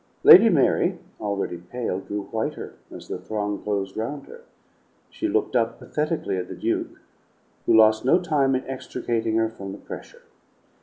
Lady Mary, already pale, grew whiter as the throng closed round her; she looked up pathetically at the Duke, who lost no time in extricating her from the pressure.